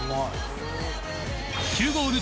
９ゴール中